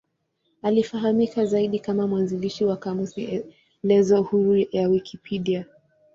Anafahamika zaidi kama mwanzilishi wa kamusi elezo huru ya Wikipedia.